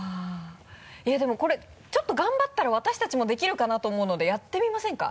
でもこれちょっと頑張ったら私たちもできるかなと思うのでやってみませんか？